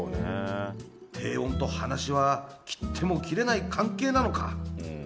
低温と歯無しは切っても切れない関係なのか